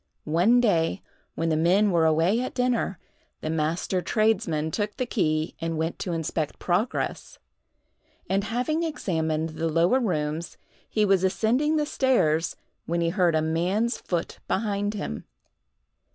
One day, when the men were away at dinner, the master tradesman took the key and went to inspect progress, and, having examined the lower rooms, he was ascending the stairs, when he heard a man's foot behind him.